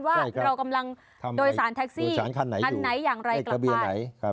ว่าเรากำลังโดยสารแท็กซี่คันไหนอย่างไร